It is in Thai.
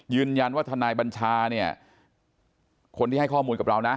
ทนายบัญชาเนี่ยคนที่ให้ข้อมูลกับเรานะ